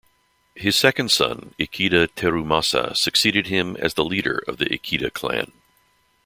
His second son, Ikeda Terumasa, succeeded him as the leader of the Ikeda clan.